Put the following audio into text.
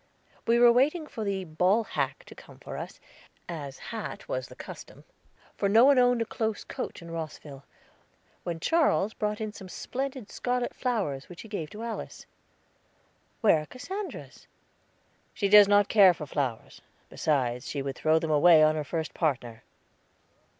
We were waiting for the ball hack to come for us, as that was the custom, for no one owned a close coach in Rosville, when Charles brought in some splendid scarlet flowers which he gave to Alice. "Where are Cassandra's?" "She does not care for flowers; besides, she would throw them away on her first partner."